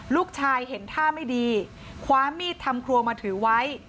ลูกชายเห็นท่าไม่ดีคว้ามีดทำครัวมาถือไว้